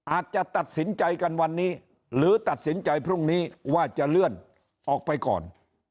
อาจจะตัดสินใจกันวันนี้หรือตัดสินใจพรุ่งนี้ว่าจะเลื่อนออกไปก่อน